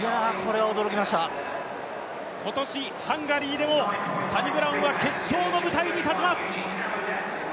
今年ハンガリーでも、サニブラウンは決勝の舞台に立ちます。